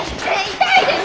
痛いです！